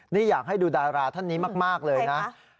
นี่อยากให้ดูดาราท่านนี้มากเลยนะ